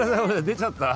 出ちゃった？